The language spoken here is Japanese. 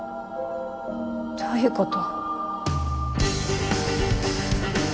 どういうこと？